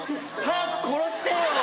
早く殺してよ。